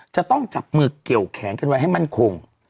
จะต้องจับมือเกี่ยวแขนกันไว้ให้มั่นคง